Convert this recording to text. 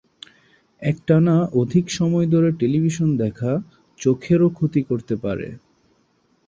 একটানা অধিক সময় ধরে টেলিভিশন দেখা চোখেরও ক্ষতি করতে পারে।